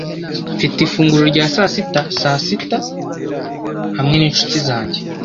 Mfite ifunguro rya sasita saa sita hamwe ninshuti zanjye.